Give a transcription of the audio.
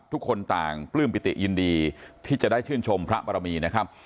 ทุกคนต่างปลื้มปิติยินดีที่จะได้ชื่นชมพระบรมีนะครับ